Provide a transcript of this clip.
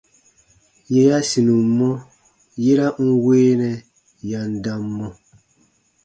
Yè ya sinum mɔ, yera n weenɛ ya n dam mɔ.